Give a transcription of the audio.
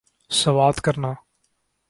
سوات کرنا